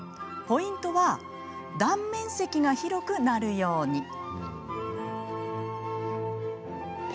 ポイントは断面積が広くなるように。